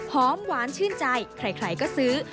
หอมหวานชื่นใจใครก็ซื้อ